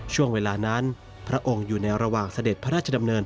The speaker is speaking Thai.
ช่วงเวลานั้นพระองค์อยู่ในระหว่างเสด็จพระราชดำเนิน